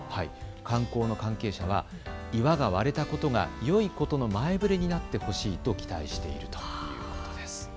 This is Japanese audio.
観光の関係者は岩が割れたことがよいことの前触れになってほしいと期待しているということです。